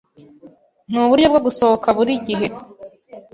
Nuburyo bwo gusohoka burigihe